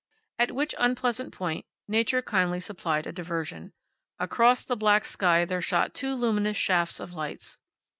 At which unpleasant point Nature kindly supplied a diversion. Across the black sky there shot two luminous shafts of lights.